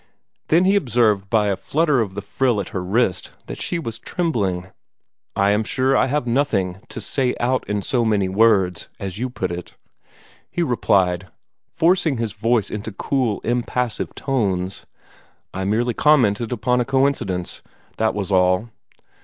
Then he observed by a flutter of the frill at her wrist that she was trembling. "I am sure I have nothing to 'say out in so many words,' as you put it," he replied, forcing his voice into cool, impassive tones. "I merely commented upon a coincidence, that was all.